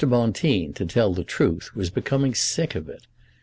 Bonteen, to tell the truth, was becoming sick of it.